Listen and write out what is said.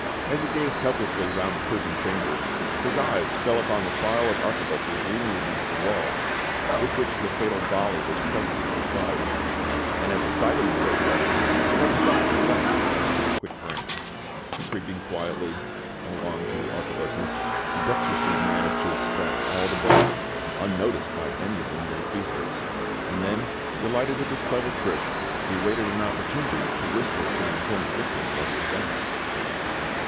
As he gazed helplessly round the prison chamber, his eyes fell upon the file of arquebuses leaning against the wall, with which the fatal volley was presently to be fired; and at the sight of the dreaded weapons, a sudden thought flashed across his quick brain. Creeping quietly along to the arquebuses, he dexterously managed to extract all the bullets, unnoticed by any of the merry feasters; and then, delighted with his clever trick, he awaited an opportunity to whisper to the intended victim what he had done.